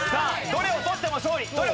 どれを取っても勝利。